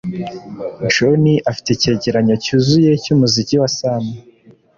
John afite icyegeranyo cyuzuye cyumuziki wa Sam.